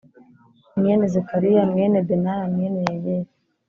mwene Zekariya mwene Benaya mwene Yeyeli